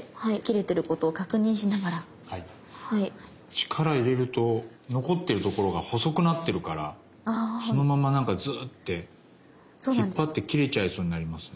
力入れると残ってるところが細くなってるからそのままなんかズーッて引っ張って切れちゃいそうになりますね。